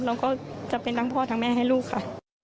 เราก็จะเป็นทั้งพ่อทั้งแม่ให้ลูกค่ะ